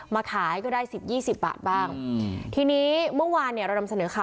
มาขายก็ได้สิบยี่สิบบาทบ้างอืมทีนี้เมื่อวานเนี่ยเรานำเสนอข่าว